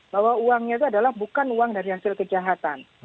bahwa uangnya itu adalah bukan uang dari hasil kejahatan